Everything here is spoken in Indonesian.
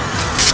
kamu puas hati